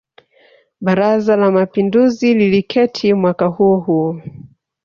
Baraza la Mapinduzi liliketi mwaka huo huo